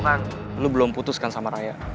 kamu belum berputus dengan rai